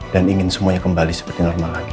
dan ingin semuanya kembali seperti normal lagi